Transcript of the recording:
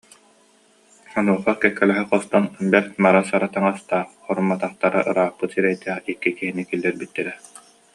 Онуоха кэккэлэһэ хостон бэрт мара-сара таҥастаах, хорумматахтара ырааппыт сирэйдээх икки киһини киллэрбиттэрэ